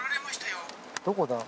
どこだ？